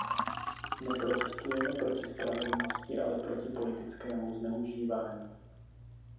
Neprotestujeme proti spravedlnosti, ale proti politickému zneužívání.